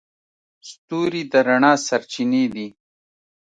ستوري د رڼا سرچینې دي.